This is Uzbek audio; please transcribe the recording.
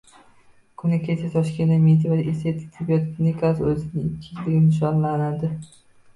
Kuni kecha Toshkentda Mediva estetik tibbiyot klinikasi o‘zining ikki yilligini nishonladi